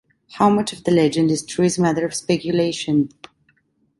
How much of the legend is true is a matter of speculation.